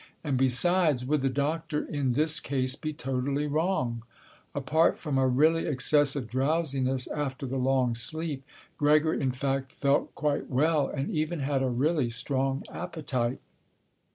And besides, would the doctor in this case be totally wrong? Apart from a really excessive drowsiness after the long sleep, Gregor in fact felt quite well and even had a really strong appetite.